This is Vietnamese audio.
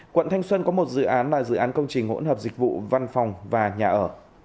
quận thanh xuân có một dự án là dự án công trình hỗn hợp dịch vụ văn phòng và nhà ở